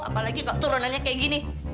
apalagi kok turunannya kayak gini